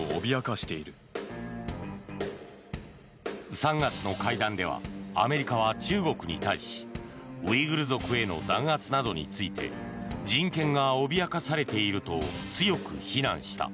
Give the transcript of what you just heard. ３月の会談ではアメリカは中国に対しウイグル族への弾圧などについて人権が脅かされていると強く非難した。